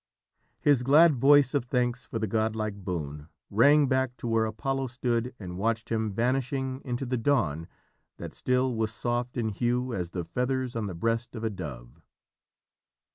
His glad voice of thanks for the godlike boon rang back to where Apollo stood and watched him vanishing into the dawn that still was soft in hue as the feathers on the breast of a dove.